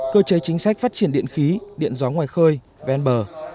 cơ chế chính sách phát triển điện khí điện gió ngoài khơi ven bờ